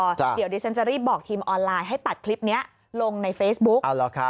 เดี๋ยวดิฉันจะรีบบอกทีมออนไลน์ให้ตัดคลิปนี้ลงในเฟซบุ๊ก